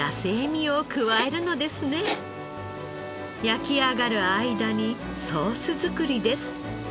焼き上がる間にソース作りです。